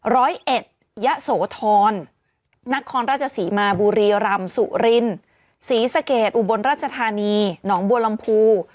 ร้อยเอ็ดยะโสธรนครราชศรีมาบุรีรำสุรินศรีสะเกดอุบลราชธานีหนองบัวลำพู